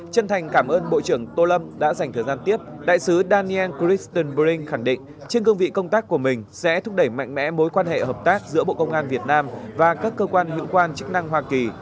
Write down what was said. chân thành cảm ơn bộ trưởng tô lâm đã dành thời gian tiếp đại sứ daniel cristenbering khẳng định trên cương vị công tác của mình sẽ thúc đẩy mạnh mẽ mối quan hệ hợp tác giữa bộ công an việt nam và các cơ quan hữu quan chức năng hoa kỳ